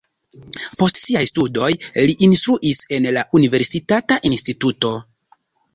Post siaj studoj li instruis en la universitata instituto.